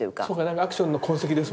アクションの痕跡ですもんね。